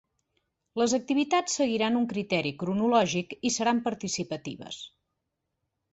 Les activitats seguiran un criteri cronològic i seran participatives.